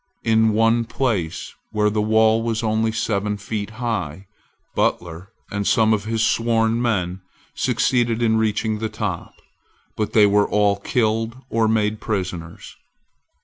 In one place, where the wall was only seven feet high, Butler and some of his sworn men succeeded in reaching the top; but they were all killed or made prisoners.